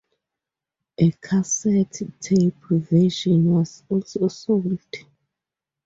A cassette tape version was also sold.